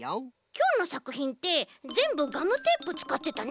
きょうのさくひんってぜんぶガムテープつかってたね。